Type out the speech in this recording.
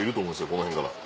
この辺から。